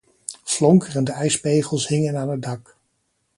Flonkerende ijspegels hingen aan het dak.